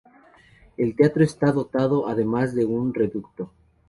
El teatro está dotado además de un reducto.